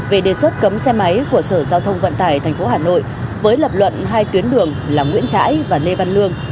về đề xuất cấm xe máy của sở giao thông vận tải tp hà nội với lập luận hai tuyến đường là nguyễn trãi và lê văn lương